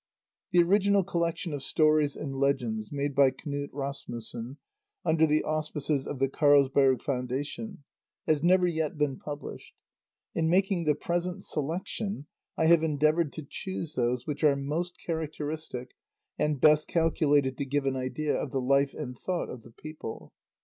The original collection of stories and legends made by Knud Rasmussen under the auspices of the Carlsberg Foundation has never yet been published. In making the present selection, I have endeavoured to choose those which are most characteristic and best calculated to give an idea of the life and thought of the people.